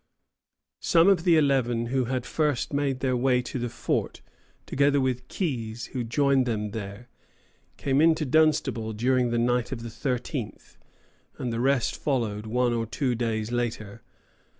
Some of the eleven who had first made their way to the fort, together with Keyes, who joined them there, came into Dunstable during the night of the thirteenth, and the rest followed one or two days later.